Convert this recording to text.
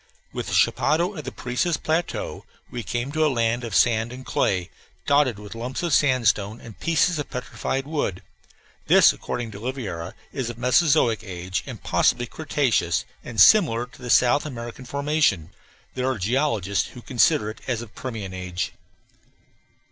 With the chapadao of the Parecis plateau we came to a land of sand and clay, dotted with lumps of sandstone and pieces of petrified wood; this, according to Oliveira, is of Mesozoic age, possibly cretaceous and similar to the South African formation. There are geologists who consider it as of Permian age.